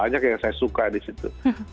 banyak yang saya suka di situ